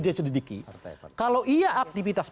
dia sedikit kalau ia aktivitas